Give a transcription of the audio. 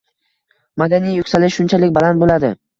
madaniy yuksalish shunchalik baland bo‘ladi.